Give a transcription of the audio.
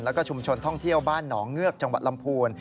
แล้วก็ชุมชนท่องเที่ยวบ้านหนองเงือกจังหวัดลำพูน